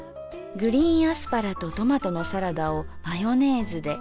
グリーンアスパラとトマトのサラダをマヨネーズで。